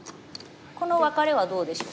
このワカレはどうでしょうか？